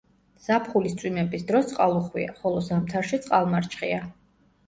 ზაფხულის წვიმების დროს წყალუხვია, ხოლო ზამთარში წყალმარჩხია.